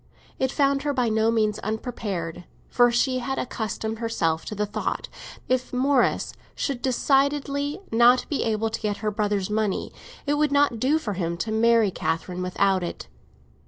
It found her by no means unprepared, for she had accustomed herself to the thought that, if Morris should decidedly not be able to get her brother's money, it would not do for him to marry Catherine without it.